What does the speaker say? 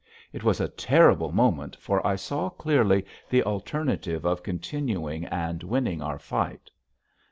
It was a terrible moment for I saw clearly the alternative of continuing and winning our fight.